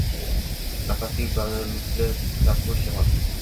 Nafasing bamisli sabuhiy shamol